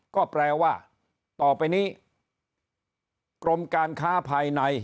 ก็แปลว่าต่อไปนี้กรมการค้าภายใน